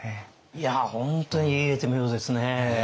いや本当に言い得て妙ですね。